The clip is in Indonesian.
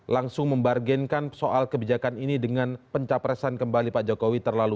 langsung membargenkan soal kebijakan ini dengan pencapresan kembali pak jokowi terlalu